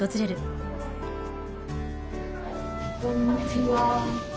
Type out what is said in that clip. こんにちは。